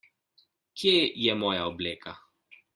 Kje je moja obleka?